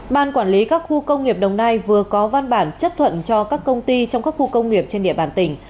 ban quản lý các khu công nghiệp đồng nai vừa có văn bản chấp thuận cho các công ty trong các khu công nghiệp trên địa bàn tỉnh